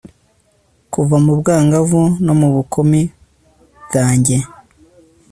kuva mu bwangavu no mu bukumi bwanjye